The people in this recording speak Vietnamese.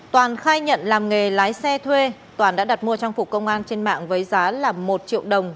toàn khai nhận làm nghề lái xe thuê toàn đã đặt mua trang phục công an trên mạng với giá là một triệu đồng